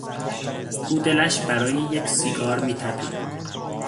او دلش برای یک سیگار میتپید.